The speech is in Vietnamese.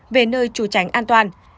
về nơi trù tránh an toàn